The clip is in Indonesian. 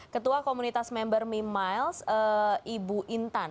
ketua komunitas member memiles ibu intan